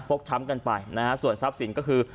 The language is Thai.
ช้ำกันไปนะฮะส่วนทรัพย์สินก็คือ